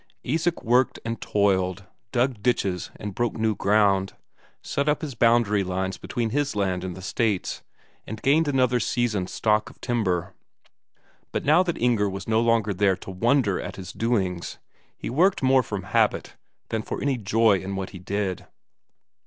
Isak worked and toiled, dug ditches and broke new ground, set up his boundary lines between his land and the State's, and gained another season's stock of timber. But now that Inger was no longer there to wonder at his doings, he worked more from habit than for any joy in what he did.